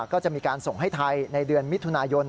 ก็จะมีการส่งให้ไทยในเดือนมิถุนายน